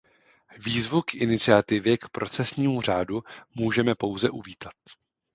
Výzvu k iniciativě k procesnímu řádu můžeme pouze uvítat.